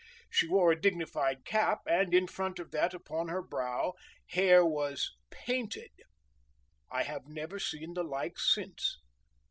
She wore a dignified cap, and in front of that upon her brow, hair was painted. I have never seen the like since.